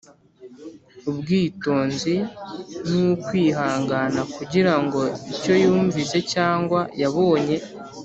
ubwitonzi n’ukwihangana, kugira ngo icyoyumvise cyangwa yabonye